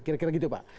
kira kira gitu pak